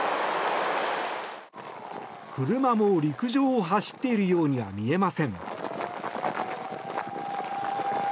車も陸上を走っているようには見えません。